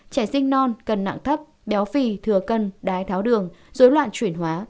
trẻ sinh non cần nặng thấp béo phì thừa cân đái tháo đường dối loạn chuyển hóa